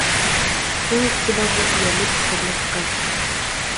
Ул иғтибарҙы йәлеп итерлек ҡыҙ.